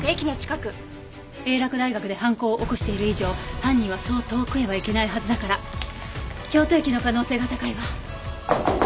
英洛大学で犯行を起こしている以上犯人はそう遠くへは行けないはずだから京都駅の可能性が高いわ。